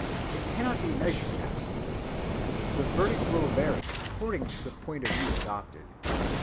It cannot be measured absolutely; the verdict will vary according to the point of view adopted.